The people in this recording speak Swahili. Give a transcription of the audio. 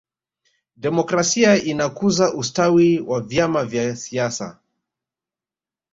demokrasia inakuza ustawi wa vyama vya siasa